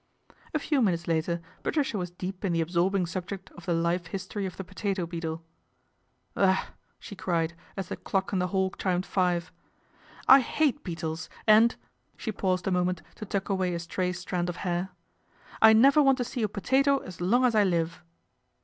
A few minutes later atricia was deep in the absorbing subject of the e history of the potato beetle. Ugh !" she cried as the clock in the hall imed five. " I hate beetles, and," she paused moment to tuck away a stray strand of hair, 1 1 never want to see a potato as lorg as I live."